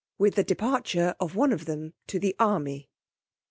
With the departure of one of them to the army_.